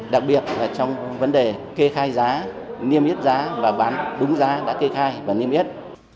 đặc biệt là trong vấn đề kê khai giá niêm yết giá và bán đúng giá đã kê khai và niêm yết